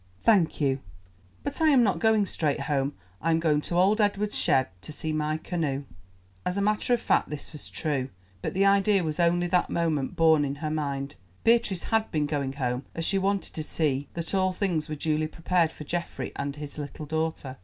"Thank you, but I am not going straight home; I am going to old Edward's shed to see my canoe." As a matter of fact this was true, but the idea was only that moment born in her mind. Beatrice had been going home, as she wanted to see that all things were duly prepared for Geoffrey and his little daughter.